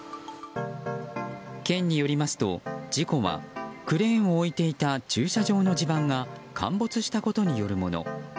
県によりますと、事故はクレーンを置いていた駐車場の地盤が陥没したことによるもの。